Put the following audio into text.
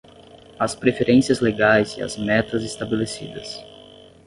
as preferências legais e as metas estabelecidas